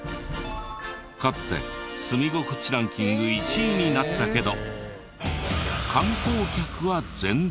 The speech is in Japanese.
かつて住み心地ランキング１位になったけど。